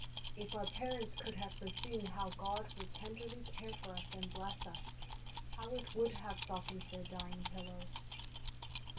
If our parents could have foreseen how God would tenderly care for us and bless us, how it would have softened their dying pillows